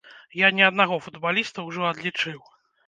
Я не аднаго футбаліста ўжо адлічыў.